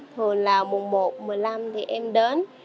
thường là mùa một mùa năm thì em đến